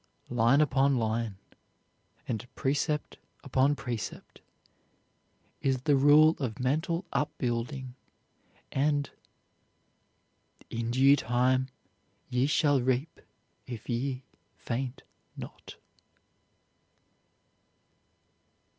"Line upon line, and precept upon precept" is the rule of mental upbuilding and "In due time ye shall reap if ye faint not."